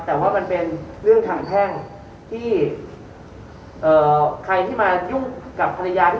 แต่ว่ามันเป็นเรื่องทางแท่งที่เอ่อใครที่มายุ่งกับความเรียกยาที่